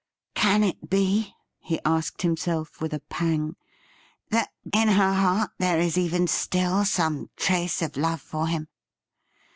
' Can it be,' he asked himself with a pang, 'that in her heart there is even still some trace of love for him